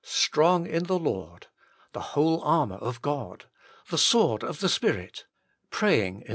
Strong in the Lord, the whole armour of God, the sword of the Spirit, praying in.